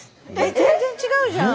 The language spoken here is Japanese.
全然違うじゃん！